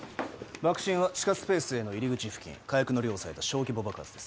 爆心は地下スペースへの入り口付近火薬の量を抑えた小規模爆発です